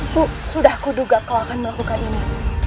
bu sudah kuduga kau akan melakukan ini